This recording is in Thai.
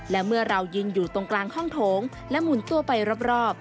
และเมื่อเรายืนอยู่ตรงกลางห้องโถงและหมุนตัวไปรอบ